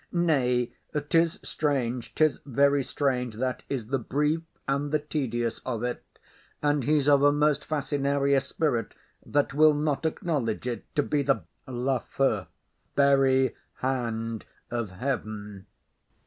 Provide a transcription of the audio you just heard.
Nay, 'tis strange, 'tis very strange; that is the brief and the tedious of it; and he's of a most facinerious spirit that will not acknowledge it to be the— LAFEW. Very hand of heaven.